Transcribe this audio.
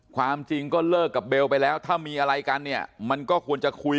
ความจริงก็เลิกกับเบลไปแล้วถ้ามีอะไรกันเนี่ยมันก็ควรจะคุย